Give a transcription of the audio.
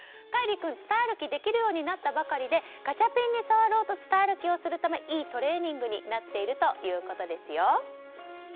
凱吏君は伝い歩きができるようになったばかりでガチャピンに触ろうと伝い歩きをするためいいトレーニングになっているということですよ。